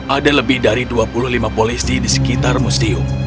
ada lebih dari dua puluh lima polisi di sekitar museum